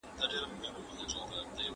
د حاکم سترگي له قهره څخه سرې سوې